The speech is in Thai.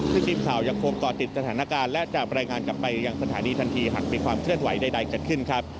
ซึ่งทีมข่าวยังคงก่อติดสถานการณ์และจะรายงานกลับไปยังสถานีทันทีหากมีความเคลื่อนไหวใดเกิดขึ้นครับ